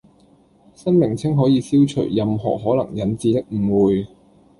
新名稱可以消除任何可能引致的誤會